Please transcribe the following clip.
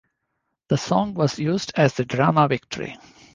The song was used as the drama Victory!